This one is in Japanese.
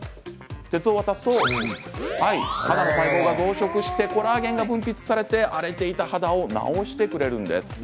鉄を渡すと肌の細胞が増殖してコラーゲンが分泌されて荒れていた肌荒れを治してくれるんです。